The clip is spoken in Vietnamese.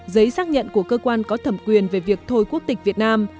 giấy xác nhận của cơ quan có thẩm quyền về việc thôi quốc tịch việt nam